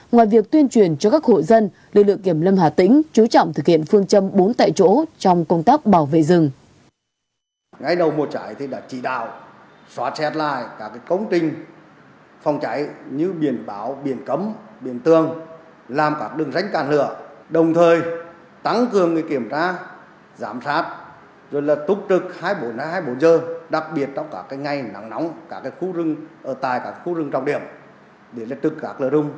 ngoài việc tuyên truyền cho các hội dân lực lượng kiểm lâm hạ tỉnh chú trọng thực hiện phương châm bốn tại chỗ trong công tác bảo vệ rừng